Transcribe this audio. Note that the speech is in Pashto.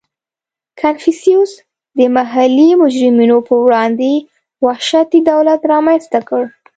• کنفوسیوس د محلي مجرمینو په وړاندې وحشتي دولت رامنځته کړ.